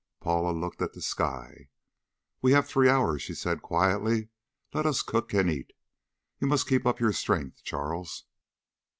Paula looked at the sky. "We have three hours," she said quietly. "Let us cook and eat. You must keep up your strength, Charles."